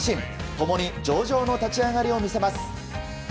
共に上々の立ち上がりを見せます。